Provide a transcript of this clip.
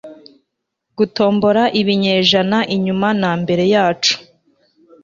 gutombora ibinyejana inyuma na mbere yacu